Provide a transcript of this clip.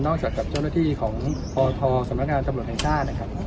นอกจากเจ้าหน้าที่ของพธสำนักงานตำรวจแห่งฆ่านะครับ